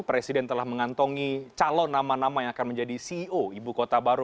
presiden telah mengantongi calon nama nama yang akan menjadi ceo ibu kota baru